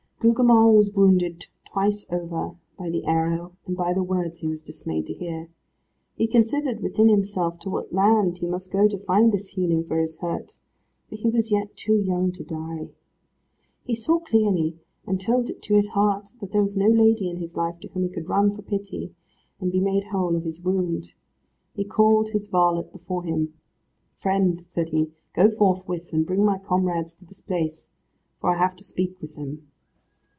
Gugemar was wounded twice over by the arrow, and by the words he was dismayed to hear. He considered within himself to what land he must go to find this healing for his hurt, for he was yet too young to die. He saw clearly, and told it to his heart, that there was no lady in his life to whom he could run for pity, and be made whole of his wound. He called his varlet before him, "Friend," said he, "go forthwith, and bring my comrades to this place, for I have to speak with them."